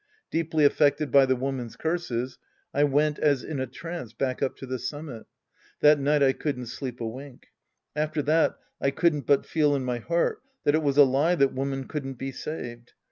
Deeply affected by the woman's curses, I went as in a trance back up to the summit. That night I couldn't sleep a wink. After that I couldn't but feel in my heart that it was a lie that woman couldn't be saved.